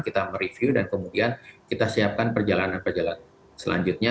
kita mereview dan kemudian kita siapkan perjalanan perjalanan selanjutnya